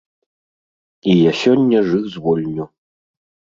І я сёння ж іх звольню.